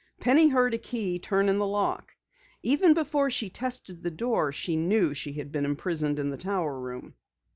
Penny heard a key turn in the lock. Even before she tested the door she knew she had been imprisoned in the tower room.